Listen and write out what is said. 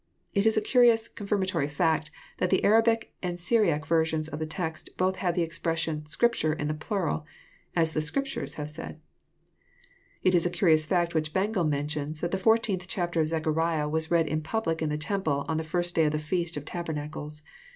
It is a curious, confirmatory fact, that the Arabic and Syriac versions of the text both have the expression " Scripture" in the plural, " As the Scriptures have said." It is a curious fkct which Bengel mentions, that the 14th chapter of Zechariah was read in public in the temple, on the first day of the feast of tabernacles.